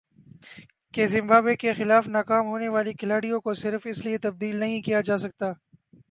کہ زمبابوے کے خلاف ناکام ہونے والے کھلاڑیوں کو صرف اس لیے تبدیل نہیں کیا جا سکتا